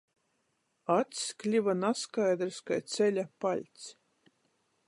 Acs kliva naskaidrys kai ceļa paļts.